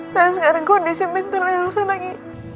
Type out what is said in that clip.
dan sekarang kondisi mental yang lusa lagi